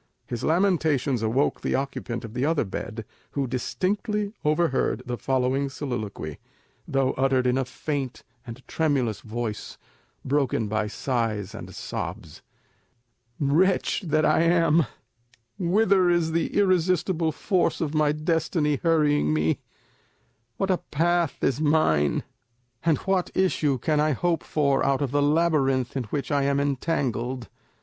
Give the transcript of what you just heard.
His lamentations awoke the occupant of the other bed, who distinctly overheard the following soliloquy, though uttered in a faint and tremulous voice, broken by sighs and sobs. "Wretch that I am! Whither is the irresistible force of my destiny hurrying me? What a path is mine; and what issue can I hope for out of the labyrinth in which I am entangled?